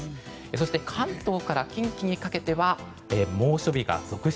そして、関東から近畿にかけては猛暑日が続出。